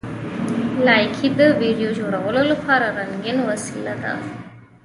لایکي د ویډیو جوړولو لپاره رنګین وسیله ده.